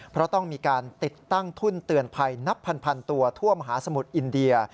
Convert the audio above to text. เพราะต้องมีการติดตั้งทุ่นเตือนภัยนับพันตัวท่วมหาสมุทรอินเดีย